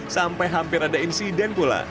sampai hampir ada insiden pula